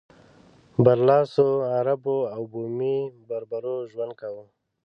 برلاسو عربو او بومي بربرو ژوند کاوه.